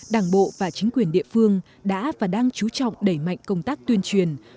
đảng bộ và chính quyền địa phương đã và đang chú trọng đẩy mạnh công tác tuyên truyền